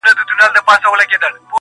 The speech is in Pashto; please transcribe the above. تبۍ را واخلی مخ را تورکړۍ-